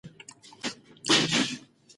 مور یې د تورو چایو یوه ګرمه پیاله ډکه کړه.